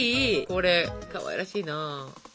これかわいらしいな。